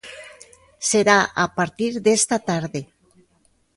Será a partir desta tarde.